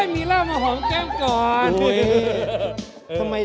มีลากมะหอมแก้มก่อน